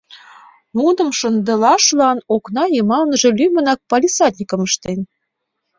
Нуным шындылашлан окна йымалныже лӱмынак палисадникым ыштен.